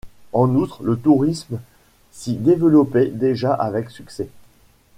En outre le tourisme s'y développait déjà avec succès.